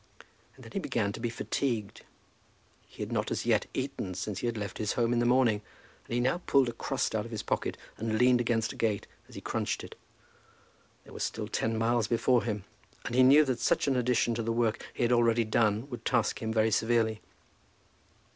And then he began to be fatigued. He had not as yet eaten since he had left his home in the morning, and he now pulled a crust out of his pocket and leaned against a gate as he crunched it. There were still ten miles before him, and he knew that such an addition to the work he had already done would task him very severely.